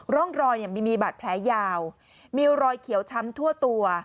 ร่องรอยมีบาดแผลยาวมีรอยเขียวช้ำทั่วตัว